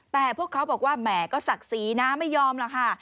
แต่พวกเขาบอกว่าแหมก็ศักดิ์ศรีนะไม่ยอมหรอกค่ะ